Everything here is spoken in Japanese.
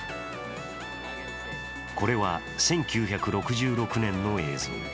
これは１９６６年の映像。